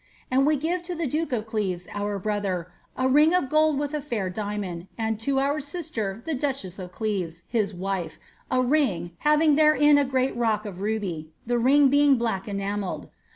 And we give to the duke of Qevei, oar brother, a ring of gold with a fair diamond, and to our sister, the dneheas ti Cleves, his wife, a ring, having therein a great rock of ruby, the ring being black enamelled.